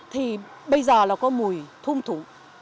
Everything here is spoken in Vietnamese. thì bây giờ là có mùi thum thủ